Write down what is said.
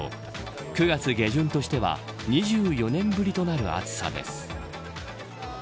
９月下旬としては２４年ぶりとなる暑さです。